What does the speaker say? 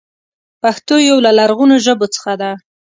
پښتو يو له لرغونو ژبو څخه ده.